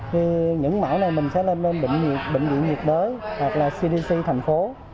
thì những mẫu này mình sẽ lên bệnh viện nhiệt đới hoặc là cdc thành phố